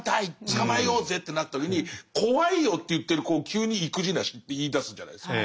「捕まえようぜ」ってなった時に「怖いよ」って言ってる子を急に「意気地なし」って言いだすじゃないですか。